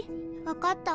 わかった。